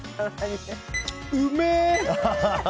うめえ！